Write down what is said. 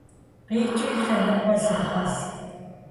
- Къикӏи, лъэныкъуэ зегъэз.